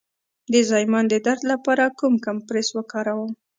د زایمان د درد لپاره کوم کمپرس وکاروم؟